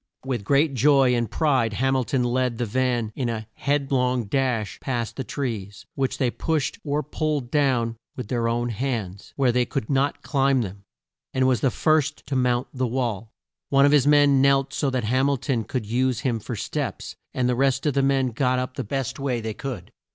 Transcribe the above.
With great joy and pride Ham il ton led the van in a head long dash past the trees, which they pushed or pulled down with their own hands, where they could not climb them, and was the first to mount the wall. One of his men knelt so that Ham il ton could use him for steps, and the rest of the men got up the best way they could.